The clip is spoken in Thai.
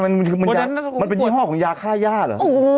มันเป็นยี่ห้อของยาค่าย่าเหรอ